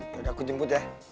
yaudah aku jemput ya